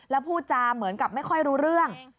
แล้วพูดจาเหมือนกับไม่ค่อยรู้เรื่อง